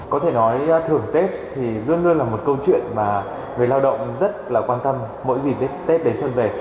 có thể nói thường tết thì luôn luôn là một câu chuyện mà người lao động rất là quan tâm mỗi dịp tết đến xuân về